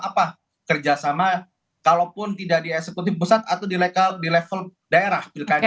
apa kerjasama kalaupun tidak di eksekutif pusat atau di level daerah pilkada